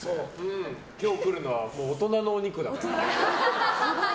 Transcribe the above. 今日来るのは大人のお肉だから。